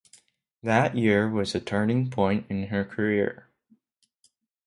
That year was a turning point in her career.